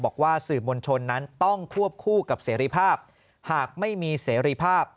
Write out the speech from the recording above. บอกว่าสื่อมวลชนนั้นต้องควบคู่กับเสรีภาพหากไม่มีเสรีภาพ